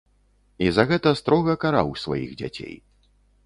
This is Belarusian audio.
І за гэта строга караў сваіх дзяцей.